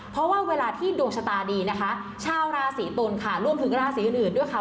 เพราะว่าเวลาที่ดวงชะตาดีนะคะชาวราศีตุลค่ะรวมถึงราศีอื่นด้วยค่ะ